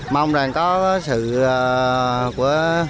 mong rằng có sự